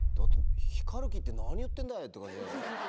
光る木って何言ってんだいって感じ。